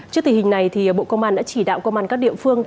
trước tình hình này bộ công an đã chỉ đạo công an các địa phương